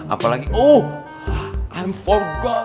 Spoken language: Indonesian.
apalagi oh i'm forgot